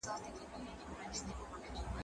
زه له سهاره بوټونه پاکوم!.